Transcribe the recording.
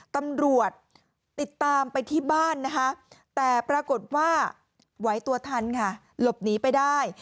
ตำรวจติดตามไปที่บ้านนะคะแต่ปรากฏว่าไหวตัวทันค่ะหลบหนีไปได้